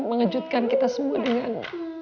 mengejutkan kita semua dengan